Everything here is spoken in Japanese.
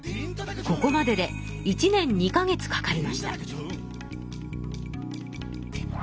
ここまでで１年２か月かかりました。